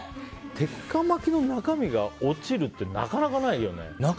鉄火巻きの中身が落ちるってなかなかないよね。